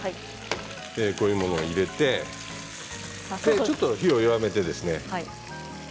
こういうものを入れてちょっと火を弱めて。